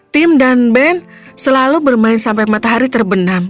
tim dan band selalu bermain sampai matahari terbenam